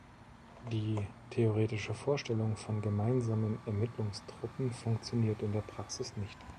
Die theoretische Vorstellung von gemeinsamen Ermittlungstruppen funktioniert in der Praxis nicht.